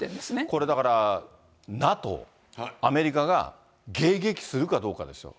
これだから、ＮＡＴＯ、アメリカが迎撃するかどうかですよ。